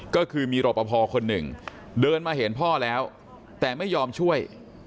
ก็คือมีรอปภคนหนึ่งเดินมาเห็นพ่อแล้วแต่ไม่ยอมช่วย